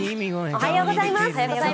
おはようございます。